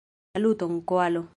Saluton, koalo!